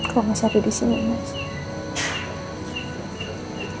kamu masih ada di sini makasih